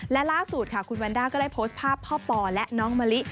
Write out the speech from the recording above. และล่าสุดค่ะคุณวันด้าก็ได้โพสต์ภาพพ่อปอและน้องมะลิ